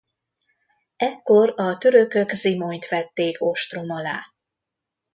Ekkor a törökök Zimonyt vették ostrom alá.